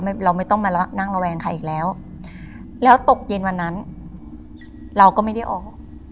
เราไม่ต้องมานั่งระแวงใครอีกแล้วแล้วตกเย็นวันนั้นเราก็ไม่ได้ออก